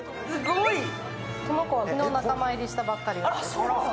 この子は昨日仲間入りしたばかりです。